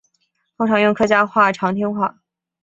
通用客家语长汀话。